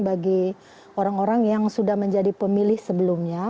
bagi orang orang yang sudah menjadi pemilih sebelumnya